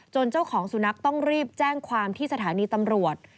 เจ้าของสุนัขต้องรีบแจ้งความที่สถานีตำรวจ